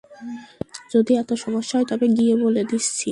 যদি এত সমস্যা হয়, তবে গিয়ে বলে দিচ্ছি।